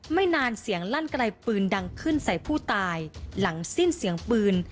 ไม่นานเสียงลั่นไกลปืนดังขึ้นใส่ผู้ตายหลังสิ้นเสียงปืน